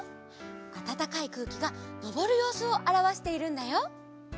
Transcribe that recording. あたたかいくうきがのぼるようすをあらわしているんだよ。